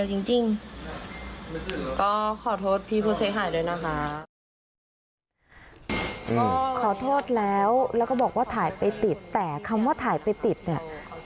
ยินดีแล้วก็บอกว่าถ่ายไปติดแต่คำว่าถ่ายไปติดเนี่ย